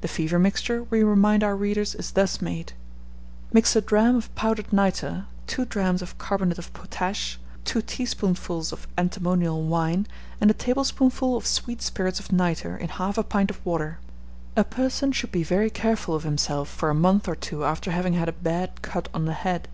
(The fever mixture, we remind our readers, is thus made: Mix a drachm of powdered nitre, 2 drachms of carbonate of potash, 2 teaspoonfuls of antimonial wine, and a tablespoonful of sweet spirits of nitre in half a pint of water.) A person should be very careful of himself for a month or two after having had a bad cut on the head.